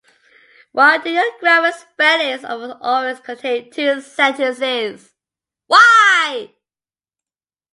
Why do your "grammar spellings" almost always contain two sentences?